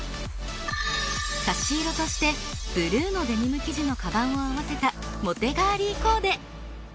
差し色としてブルーのデニム生地のカバンを合わせたモテガーリーコーデ。